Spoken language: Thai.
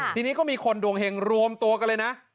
ทีนี้ก็มีคนดวงเห็งรวมตัวกันเลยนะ